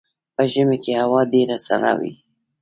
په ژمي کې هوا ډیره سړه وي